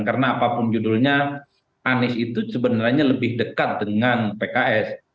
karena apapun judulnya anies itu sebenarnya lebih dekat dengan pks